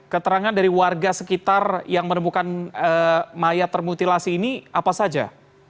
keterangan dari warga sekitar yang menemukan mayat termutilasi ini apa saja